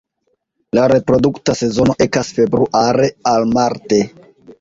La reprodukta sezono ekas februare al marte.